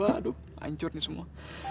aduh lancur ini semua